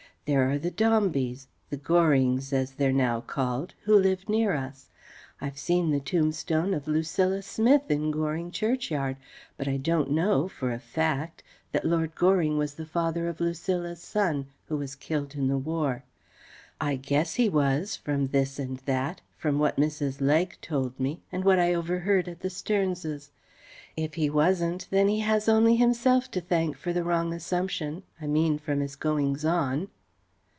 There are the Dombeys the Gorings as they're now called, who live near us. I've seen the tombstone of Lucilla Smith in Goring churchyard, but I don't know for a fact that Lord Goring was the father of Lucilla's son (who was killed in the war). I guess he was, from this and that, from what Mrs. Legg told me, and what I overheard at the Sterns'. If he wasn't, then he has only himself to thank for the wrong assumption: I mean, from his goings on.